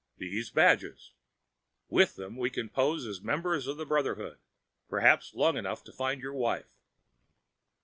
"These badges! With them we can pose as members of the Brotherhood, perhaps long enough to find your wife."